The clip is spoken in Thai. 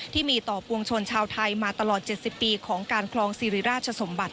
ที่มีต่อปวงชนชาวไทยมาตลอด๗๐ปีของการคลองสิริราชสมบัติ